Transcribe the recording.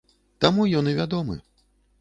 Таму ён і вядомы.